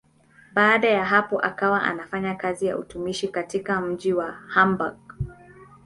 Baada ya hapo akawa anafanya kazi ya utumishi katika mji wa Hamburg.